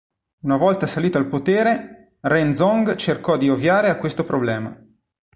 Una volta salito al potere, Ren Zong cercò di ovviare a questo problema.